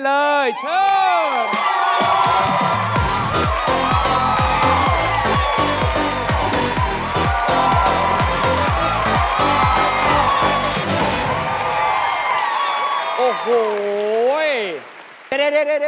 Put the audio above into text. เพราะว่ารายการหาคู่ของเราเป็นรายการแรกนะครับ